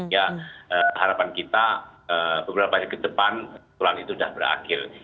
jadi harapan kita beberapa hari ke depan susulan itu sudah berakhir